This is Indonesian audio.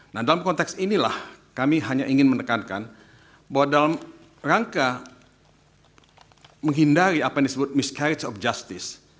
nah dalam konteks inilah kami hanya ingin menekankan bahwa dalam rangka menghindari apa yang disebut miscarage of justice